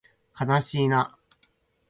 かなしいな